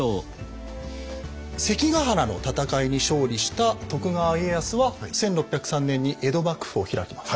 関ヶ原の戦いに勝利した徳川家康は１６０３年に江戸幕府を開きます。